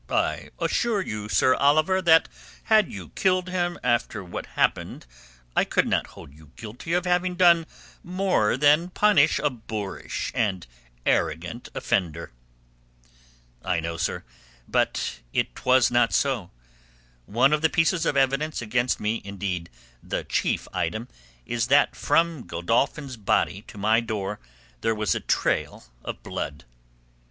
"I assure you, Sir Oliver, that had you killed him after what happened I could not hold you guilty of having done more than punish a boorish and arrogant offender." "I know sir. But it was not so. One of the pieces of evidence against me—indeed the chief item—is that from Godolphin's body to my door there was a trail of blood."